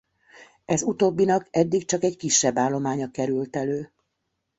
Ez utóbbinak eddig csak egy kisebb állománya került elő.